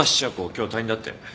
今日退院だって。